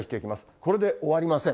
これで終わりません。